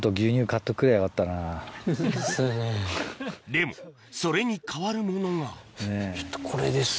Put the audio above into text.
でもそれに代わるものがこれです。